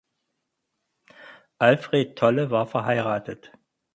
Alfred Tolle war verheiratet.